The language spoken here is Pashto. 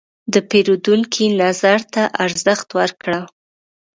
د پیرودونکي نظر ته ارزښت ورکړه.